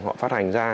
họ phát hành ra